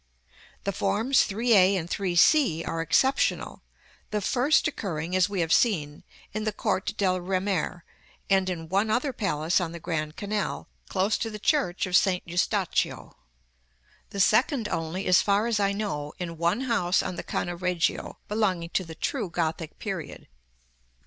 The forms 3 a and 3 c are exceptional; the first occurring, as we have seen, in the Corte del Remer, and in one other palace on the Grand Canal, close to the Church of St. Eustachio; the second only, as far as I know, in one house on the Canna Reggio, belonging to the true Gothic period.